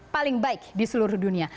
paling baik di seluruh dunia